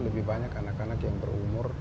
lebih banyak anak anak yang berumur